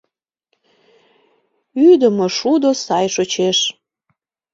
Ӱдымӧ шудо сай шочеш.